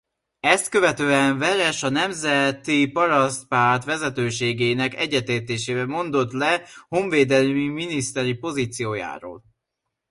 Ezt követően Veres a Nemzeti Parasztpárt vezetőségének egyetértésével mondott le honvédelmi miniszteri pozíciójáról.